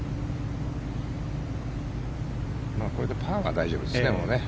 これでパーは大丈夫ですね。